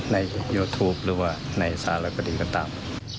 ในยูทูปหรือว่าในสารคดีก็ตาม